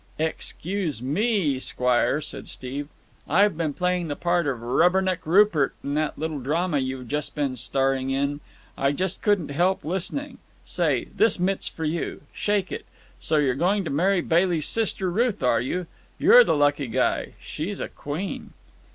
"Excuse me, squire," said Steve, "I've been playing the part of Rubberneck Rupert in that little drama you've just been starring in. I just couldn't help listening. Say, this mitt's for you. Shake it! So you're going to marry Bailey's sister, Ruth, are you? You're the lucky guy. She's a queen!"